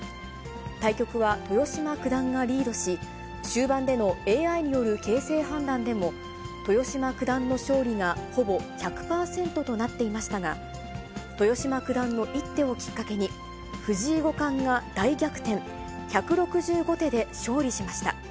対局は豊島九段がリードし、終盤でのＡＩによる形勢判断でも、豊島九段の勝利がほぼ１００％となっていましたが、豊島九段の一手をきっかけに、藤井五冠が大逆転、１６５手で勝利しました。